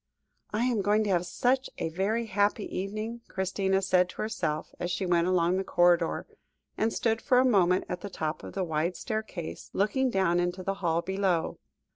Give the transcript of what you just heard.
"I am going to have such a very happy evening," Christina said to herself, as she went along the corridor, and stood for a moment at the top of the wide staircase, looking down into the hall below.